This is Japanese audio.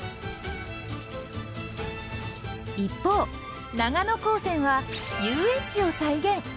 一方長野高専は遊園地を再現。